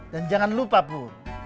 dan jangan lupa pur